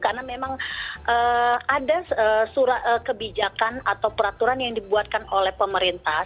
karena memang ada surat kebijakan atau peraturan yang dibuatkan oleh pemerintah